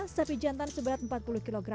sapi jantan seberat empat puluh kg